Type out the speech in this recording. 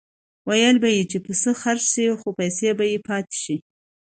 ویل به یې چې پسه خرڅ شي خو پیسې به یې پاتې شي.